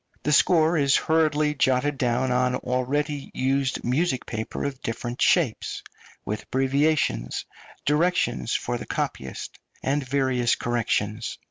The score is hurriedly jotted down on already used music paper of different shapes, with abbreviations, directions for the copyist, and various corrections.